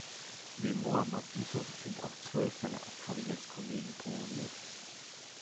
Neben Mohammad Yusuf sind auch zwölf seiner Kabinettskollegen promoviert.